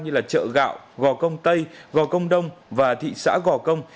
như chợ gạo gò công tây gò công đông và thị xã gò công